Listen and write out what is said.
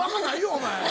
お前。